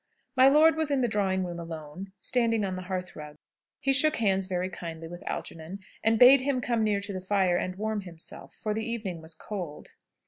My lord was in the drawing room alone, standing on the hearth rug. He shook hands very kindly with Algernon, and bade him come near to the fire and warm himself, for the evening was cold.